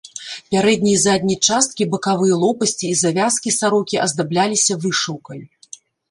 Пярэдняя і задняя часткі, бакавыя лопасці і завязкі сарокі аздабляліся вышыўкай.